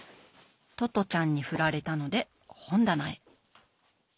トトちゃんに振られたので本棚へ。